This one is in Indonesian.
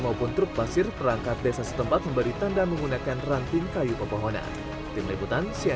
maupun truk pasir perangkat desa setempat memberi tanda menggunakan ranting kayu pepohonan